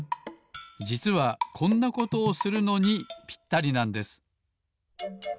じつはこんなことをするのにぴったりなんです。